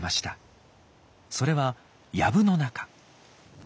それはやぶの中。